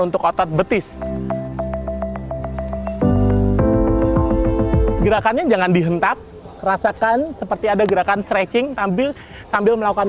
untuk otot betis gerakannya jangan dihentak rasakan seperti ada gerakan stretching sambil melakukan